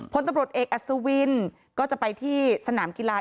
พลตำรวจเอกอัศวินก็จะไปที่สนามกีฬา